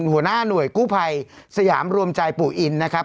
หัวหน้าหน่วยกู้ภัยสยามรวมใจปู่อินนะครับ